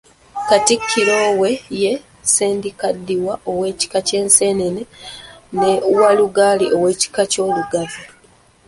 Katikkiro we ye Ssendikaddiwa ow'ekika ky'Enseenene, ne Walugali ow'ekika ky'Olugave.